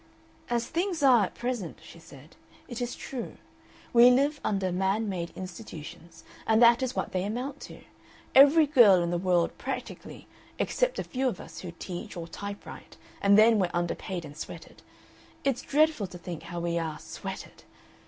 "As things are at present," she said, "it is true. We live under man made institutions, and that is what they amount to. Every girl in the world practically, except a few of us who teach or type write, and then we're underpaid and sweated it's dreadful to think how we are sweated!"